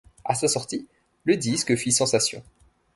À sa sortie le disque fit sensation.